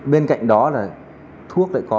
bên cạnh đó là thuốc lại có